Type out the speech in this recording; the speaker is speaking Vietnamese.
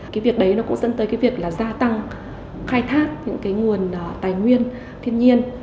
cái việc đấy nó cũng dẫn tới việc gia tăng khai thác những nguồn tài nguyên thiên nhiên